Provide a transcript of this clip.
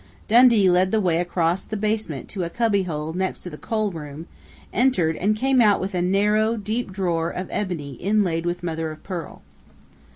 Dundee led the way across the basement to a cubbyhole next to the coal room, entered and came out with a narrow, deep drawer of ebony inlaid with mother of pearl....